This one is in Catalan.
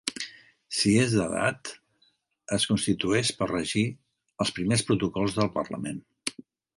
Si és d'edat es constitueix per regir els primers protocols del Parlament.